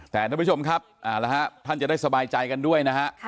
แต่ท่านผู้ชมครับเอาละฮะท่านจะได้สบายใจกันด้วยนะฮะ